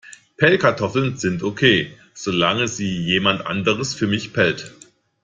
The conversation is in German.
Pellkartoffeln sind okay, solange sie jemand anders für mich pellt.